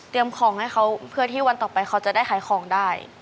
ของให้เขาเพื่อที่วันต่อไปเขาจะได้ขายของได้